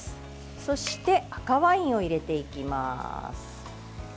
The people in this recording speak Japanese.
そして赤ワインを入れていきます。